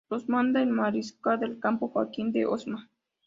Los manda el mariscal de campo Joaquín de Osma.